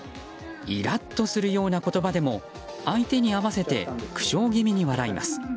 イラッとするような言葉でも相手に合わせて苦笑気味に笑います。